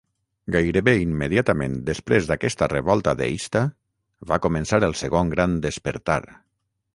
Gairebé immediatament després d'aquesta revolta deista, va començar el Segon Gran Despertar.